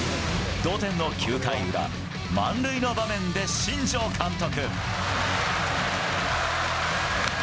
同点の９回裏満塁の場面で新庄監督。